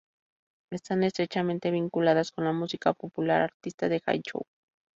Están estrechamente vinculadas con la música popular artista de Jay Chou.